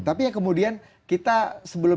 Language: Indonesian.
tapi ya kemudian kita sebelum